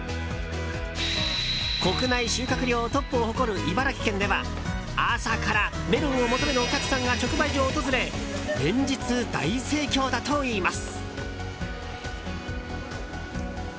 国内収穫量トップを誇る茨城県では朝からメロンを求めるお客さんが直売所を訪れ連日、大盛況だといいます。